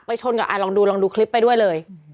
ไปชนกับอัลลองดูคลิปไปด้วยเลย